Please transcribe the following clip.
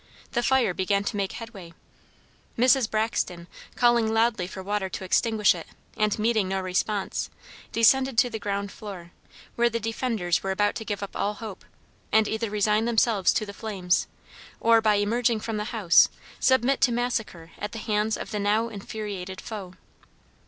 The fire began to make headway. Mrs. Braxton, calling loudly for water to extinguish it, and meeting no response, descended to the ground floor, where the defenders were about to give up all hope, and either resign themselves to the flames, or by emerging from the house, submit to massacre at the hands of the now infuriated foe.